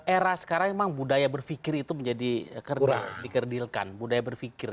era sekarang memang budaya berpikir itu menjadi dikerdilkan budaya berpikir